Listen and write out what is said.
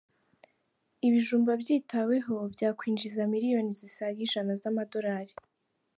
Ibijumba byitaweho byakwinjiza Miliyoni zisaga ijana z’amadolari